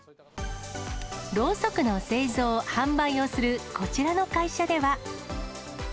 ろうそくの製造・販売をするこちらの会社では。